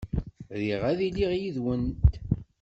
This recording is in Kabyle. Riɣ ad iliɣ yid-went.